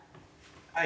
はい。